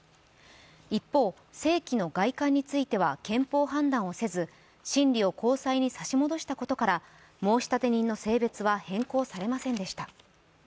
一方、性器の外観については憲法判断をせず審理を高裁に差し戻したことから、申立人の性別は変更されませんでした。